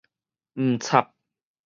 毋插